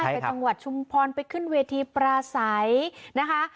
ไปจังหวัดชุมพรไปขึ้นเวทีปราศัยนะคะ